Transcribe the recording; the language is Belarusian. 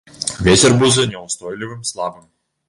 Вецер будзе няўстойлівым слабым.